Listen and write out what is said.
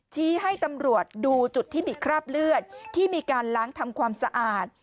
ชี้ให้ตำรวจดูจุดที่มีคราบเลือดที่มีการล้างทำความสะอาด